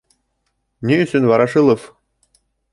— Ни өсөн Ворошилов?